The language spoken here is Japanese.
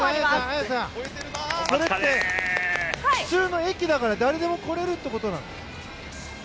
綾さん、それって普通の駅だから誰でも来れるということなの？